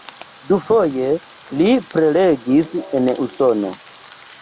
Dufoje li prelegis en Usono.